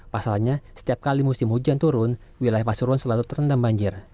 pasalnya setiap kali musim hujan turun wilayah pasuruan selalu terendam banjir